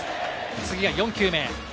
次が４球目。